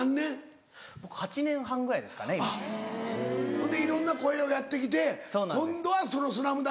ほんでいろんな声をやってきて今度は『ＳＬＡＭＤＵＮＫ』に。